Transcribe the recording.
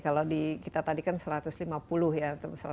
kalau di kita tadi kan satu ratus lima puluh ya